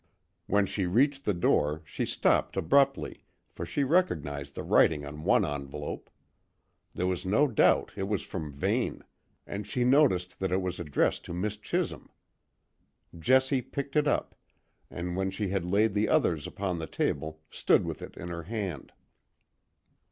When she reached the door, she stopped abruptly, for she recognised the writing on one envelope. There was no doubt it was from Vane, and she noticed that it was addressed to Miss Chisholm. Jessie picked it up, and when she had laid the others upon the table stood with it in her hand.